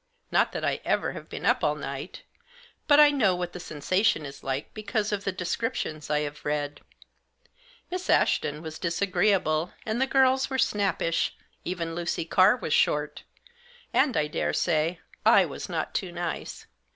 Not that I ever have been up all night ; but I know what the sensation is like because of the descriptions I have read. Miss Ashton was disagreeable, and the girls were snappish — even Lucy Carr was short ; and, I daresay, I was not too nice.